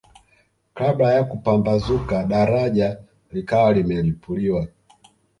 Kabla ya kupambazuka daraja likawa limelipuliwa